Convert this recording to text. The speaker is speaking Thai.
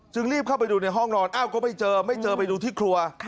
รีบเข้าไปดูในห้องนอนอ้าวก็ไม่เจอไม่เจอไปดูที่ครัว